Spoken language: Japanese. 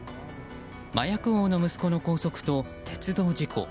麻薬王の息子の拘束と鉄道事故。